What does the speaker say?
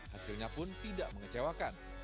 hasilnya pun tidak mengecewakan